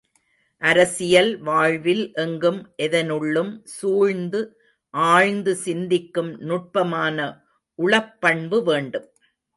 அரசியல் வாழ்வில் எங்கும் எதனுள்ளும் சூழ்ந்து ஆழ்ந்து சிந்திக்கும் நுட்பமான உளப்பண்பு வேண்டும்.